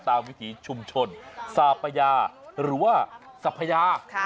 วิถีชุมชนสาปยาหรือว่าสัพยา